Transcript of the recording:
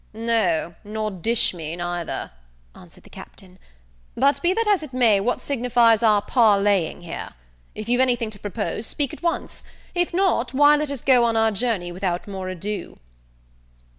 "No, nor dish me neither," answered the Captain; "but, be that as it may, what signifies our parleying here? If you've any thing to propose, speak at once; if not, why let us go on our journey without more ado."